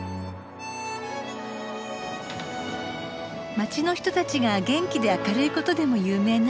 街の人たちが元気で明るいことでも有名なんだって。